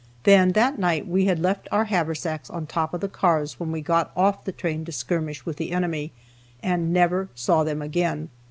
Then that night we had left our haversacks on top of the cars when we got off the train to skirmish with the enemy, and never saw them again.